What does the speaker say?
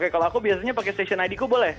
kalau aku biasanya pake station id ku boleh